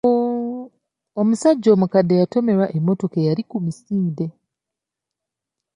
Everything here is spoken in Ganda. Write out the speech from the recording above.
Omusajja omukadde yatomerwa emmotoka eyali ku misinde.